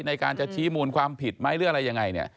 ในการจะชี้มูลความผิดไหมหรืออะไรยังไงเนี่ย